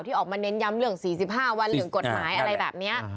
ออกมาเน้นย้ำเรื่อง๔๕วันเรื่องกฎหมายอะไรแบบนี้